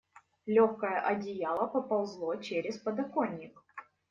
Легкое одеяло поползло через подоконник.